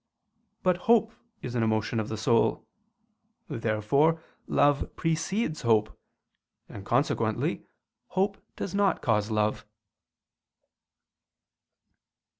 But hope is an emotion of the soul. Therefore love precedes hope, and consequently hope does not cause love.